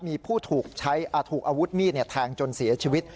มีผู้ถูกอาวุธมีดแทงจนเสียชีวิต